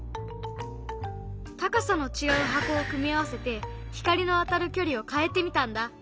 高さの違う箱を組み合わせて光の当たる距離を変えてみたんだ。